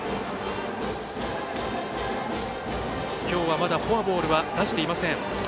きょうは、まだフォアボールは出していません。